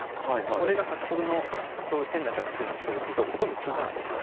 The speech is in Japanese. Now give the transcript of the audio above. これが先ほどの１７０９年の将棋とほとんど一緒じゃないですか。